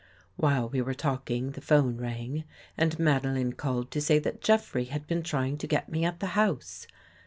While we were talking, the 'phone rang and Madeline called to say that Jeffrey had been trying to get me at the house.